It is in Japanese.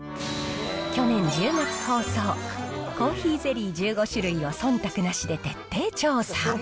去年１０月放送、コーヒーゼリー１５種類をそんたくなしで徹底調査。